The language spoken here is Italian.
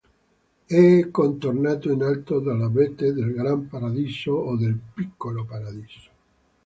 È contornato in alto dalle vette del Gran Paradiso, e del Piccolo Paradiso.